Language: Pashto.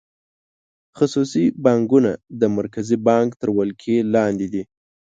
خصوصي بانکونه د مرکزي بانک تر ولکې لاندې دي.